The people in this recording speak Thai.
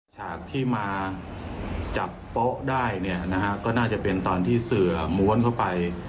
ฉากที่มาจับโป๊ะได้เนี่ยนะฮะก็น่าจะเป็นตอนที่เสือม้วนเข้าไป